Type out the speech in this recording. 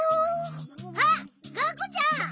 あっがんこちゃん！